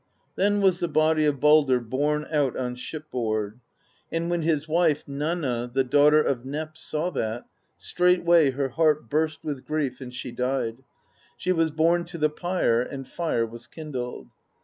"Then was the body of Baldr borne out on shipboard; and when his wife, Nanna the daughter of Nep, saw that, straightway her heart burst with grief, and she died; she was borne to the pyre, and fire was kindled.